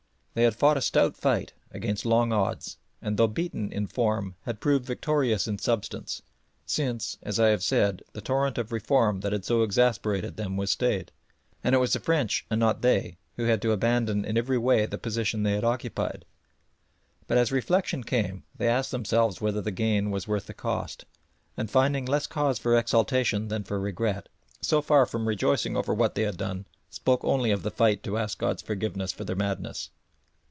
They had fought a stout fight against long odds, and though beaten in form had proved victorious in substance, since, as I have said, the torrent of reform that had so exasperated them was stayed, and it was the French and not they who had to abandon in every way the position they had occupied. But as reflection came they asked themselves whether the gain was worth the cost, and finding less cause for exultation than for regret, so far from rejoicing over what they had done, spoke only of the fight to ask God's forgiveness for their madness.